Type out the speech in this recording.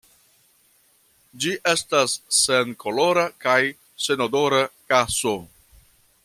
Ĝi estas senkolora kaj senodora gaso.